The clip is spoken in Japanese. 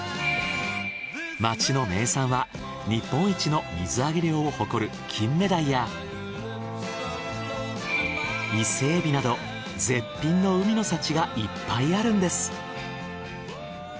街の名産は日本一の水揚げ量を誇る金目鯛や伊勢海老など絶品の海の幸がいっぱいあるんです。